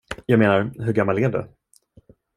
Jag menar, hur gammal är du?